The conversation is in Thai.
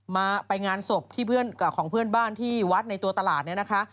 มาไปงานศพที่เพื่อนของเพื่อนบ้านที่วัดในตัวตลาดเนี่ยนะคะ